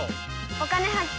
「お金発見」。